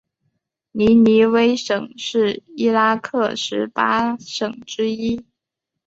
尼尼微省是伊拉克十八省之一。